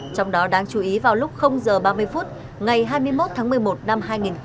trong đó đáng chú ý vào lúc h ba mươi phút ngày hai mươi một tháng một mươi một năm hai nghìn hai mươi